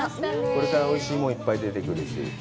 これからおいしいものいっぱい出てくるし。